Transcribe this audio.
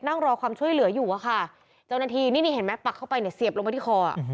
นั่งรอความช่วยเหลืออยู่ค่ะนี่เปล่าปากเข้าไปเสียบลงไปขอ